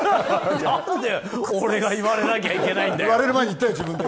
何で俺が言われなきゃいけないんだよ。